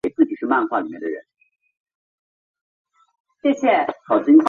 这是前凉唯一一个没有袭用晋朝年号的年号。